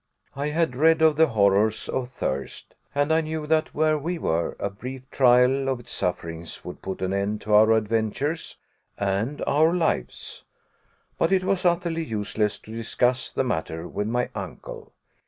I had read of the horrors of thirst, and I knew that where we were, a brief trial of its sufferings would put an end to our adventures and our lives! But it was utterly useless to discuss the matter with my uncle.